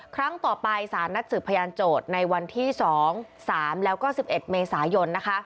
ครั้งต่อไปสารนัดสืบพยานโจทย์ในวันที่๒๓แล้วก็๑๑เมษายน